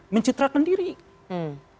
mencitrakan diri hmm